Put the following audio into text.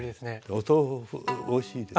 お豆腐おいしいですか？